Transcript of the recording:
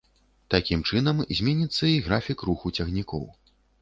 Такім чынам, зменіцца і графік руху цягнікоў.